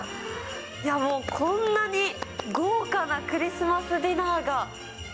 こんなに豪華なクリスマスディナーが。